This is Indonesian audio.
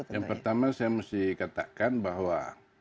yang pertama saya mesti katakan bahwa